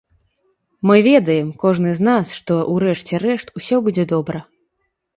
Мы ведаем, кожны з нас, што ў рэшце рэшт усё будзе добра.